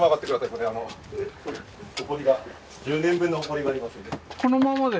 これあのほこりが１０年分のほこりがありますので。